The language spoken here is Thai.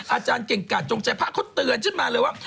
อาจารย์เก่งกาดจงใจพระเขาเตือนขึ้นมาเลยว่า